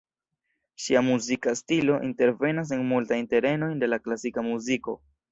Ŝia muzika stilo intervenas en multajn terenojn de klasika muziko.